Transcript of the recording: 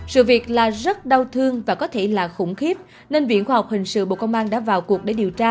sự việc là rất đau thương và có thể là khủng khiếp nên viện khoa học hình sự bộ công an đã vào cuộc để điều tra